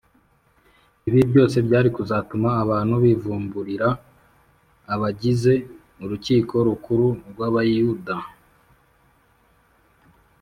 ibi byose byari kuzatuma abantu bivumburira abagize urukiko rukuru rw’abayuda